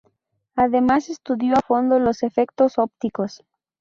Además, estudió a fondo los efectos ópticos.